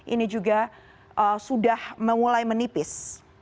ini juga sudah mulai menipis